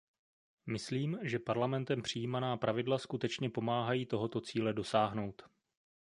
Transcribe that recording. Myslím, že Parlamentem přijímaná pravidla skutečně pomáhají tohoto cíle dosáhnout.